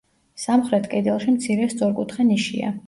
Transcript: სამხრეთ კედელში მცირე სწორკუთხა ნიშია.